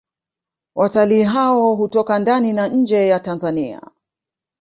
Wataii hao hutoka ndani na nje ya Tanzania